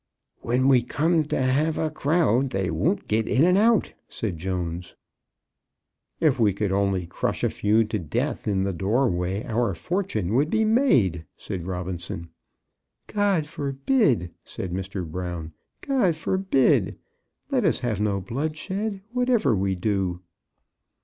"When we come to have a crowd, they won't get in and out," said Jones. "If we could only crush a few to death in the doorway our fortune would be made," said Robinson. "God forbid!" said Mr. Brown; "God forbid! Let us have no bloodshed, whatever we do."